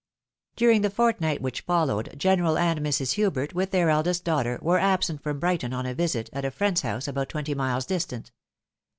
During the fortnight which followed, General and Mrs. Hubert, with their eldest daughter, were absent from Brighton on a visit, at a friend's house, about twenty miles distant.